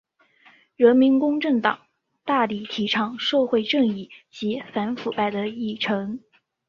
人民公正党大力提倡社会正义及反腐败的议程。